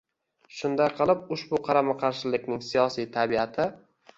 Shunday qilib, ushbu qarama-qarshilikning siyosiy tabiati